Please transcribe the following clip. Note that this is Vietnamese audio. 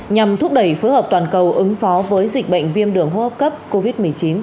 nhằm thúc đẩy phối hợp toàn cầu ứng phó với dịch bệnh viêm đường hô hấp cấp covid một mươi chín